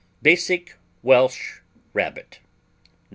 BASIC WELSH RABBIT No.